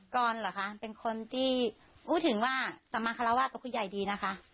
กรเป็นคนที่พูดถึงว่าสมัครวัฒน์คุณใหญ่ดีนะคะ